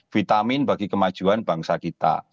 vitamin bagi kemajuan bangsa kita